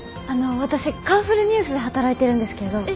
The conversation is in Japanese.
あの私『カンフルＮＥＷＳ』で働いてるんですけど。